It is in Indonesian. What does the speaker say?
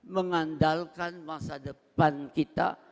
mengandalkan masa depan kita